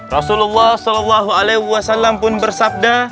rasulullah sallallahu alaihi wasallam pun bersabda